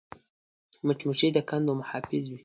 مچمچۍ د کندو محافظ وي